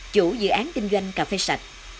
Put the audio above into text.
chủ dự án kinh doanh cà phê sạch